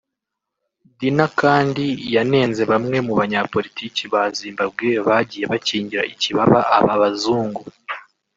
Dinha kandi yanenze bamwe mu banyapolitike ba Zimbabwe bagiye bakingira ikibaba aba bazungu